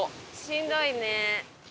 しんどいね。